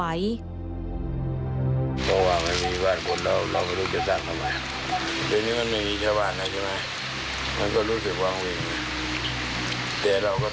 เดี๋ยวเราก็ต้องกด